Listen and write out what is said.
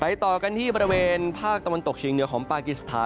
ต่อกันที่บริเวณภาคตะวันตกเฉียงเหนือของปากิสถาน